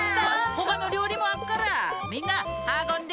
ほかのりょうりもあっからみんなはこんで！